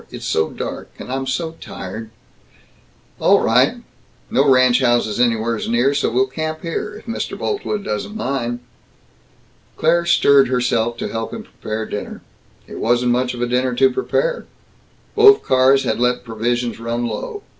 It's so dark, and I'm so tired " "All right. No ranch houses anywheres near, so we'll camp here, if Mr. Boltwood doesn't mind." Claire stirred herself to help him prepare dinner. It wasn't much of a dinner to prepare. Both cars had let provisions run low.